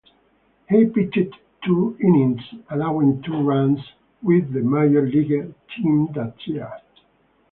He pitched two innings, allowing two runs, with the major league team that year.